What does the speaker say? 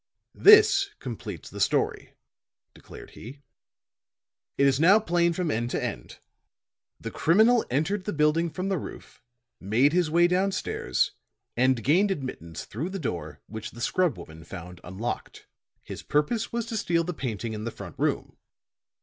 "This completes the story," declared he. "It is now plain from end to end. The criminal entered the building from the roof, made his way down stairs and gained admittance through the door which the scrub woman found unlocked. His purpose was to steal the painting in the front room.